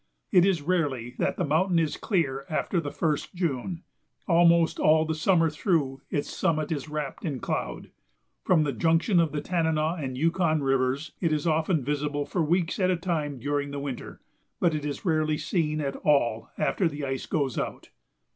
It is rarely that the mountain is clear after the 1st June; almost all the summer through its summit is wrapped in cloud. From the junction of the Tanana and Yukon Rivers it is often visible for weeks at a time during the winter, but is rarely seen at all after the ice goes out.